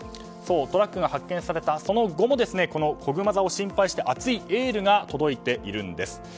トラックが発見されたその後もこぐま座を心配して熱いエールが届いているんです。